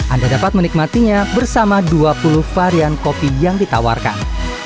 anda dapat menikmatinya bersama dua puluh varian kopi yang ditawarkan